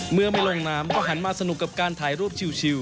เมื่อไม่ลงน้ำก็หันมาสนุกกับการถ่ายรูปชิว